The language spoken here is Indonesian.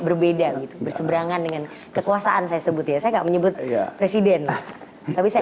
berbeda gitu berseberangan dengan kekuasaan saya sebut ya saya enggak menyebut presiden tapi saya